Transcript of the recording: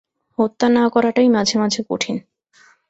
হত্যা না করাটাই মাঝে মাঝে কঠিন।